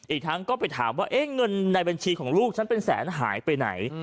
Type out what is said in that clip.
อีกทั้งก็ไปถามว่าเงินในบัญชีของลูกฉันเป็นแสนหายไปไหน